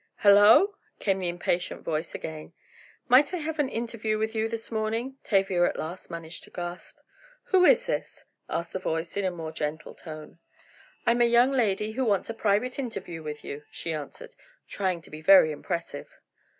"Hello o!" called the impatient voice again. "Might I have an interview with you this morning?" Tavia at last managed to gasp. "Who is this?" asked the voice in a more gentle tone. "I'm a young lady who wants a private interview with you," she answered, trying to be very impressive.